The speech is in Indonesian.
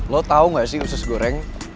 lo tau gak sih usus goreng